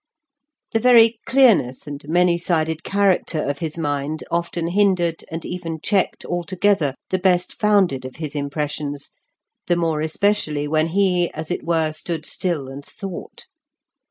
The very clearness and many sided character of his mind often hindered and even checked altogether the best founded of his impressions, the more especially when he, as it were, stood still and thought.